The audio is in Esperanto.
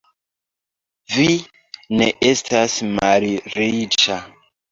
Vi ne estas malriĉa.